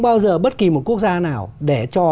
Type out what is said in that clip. bao giờ bất kỳ một quốc gia nào để cho